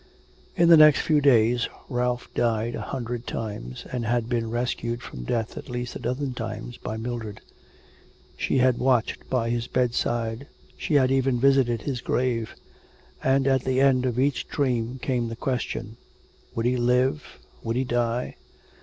In the next few days Ralph died a hundred times, and had been rescued from death at least a dozen times by Mildred; she had watched by his bedside, she had even visited his grave. And at the end of each dream came the question: 'Would he live, would he die?'